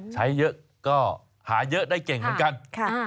ใช้เยอะก็หาเยอะได้เก่งเหมือนกัน